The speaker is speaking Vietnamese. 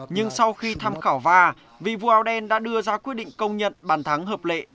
nhưng sau khi tham khảo va vvd đã đưa ra quyết định công nhận bàn thắng hợp lệ